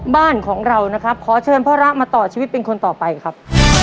บ้านของเรานะครับขอเชิญพ่อระมาต่อชีวิตเป็นคนต่อไปครับ